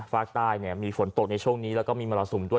ภาคใต้มีฝนตกในช่วงนี้แล้วก็มีมรสุมด้วย